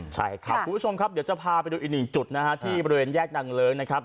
ใช่ครับคุณผู้ชมครับเดี๋ยวจะพาไปดูอีกหนึ่งจุดนะฮะที่บริเวณแยกนางเลิ้งนะครับ